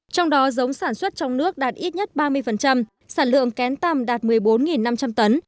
trong đó giống sản xuất trong nước đạt ít nhất ba mươi sản lượng kén tầm đạt một mươi bốn năm trăm linh tấn